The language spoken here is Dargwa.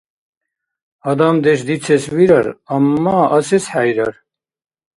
Адамдеш дицес вирар, амма асес хӀейрар.